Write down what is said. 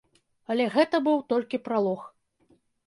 Але гэта быў толькі пралог.